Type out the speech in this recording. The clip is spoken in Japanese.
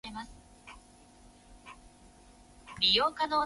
単一文の提出